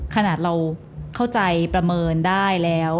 ขนาดเราเข้าใจประเมินได้แล้ว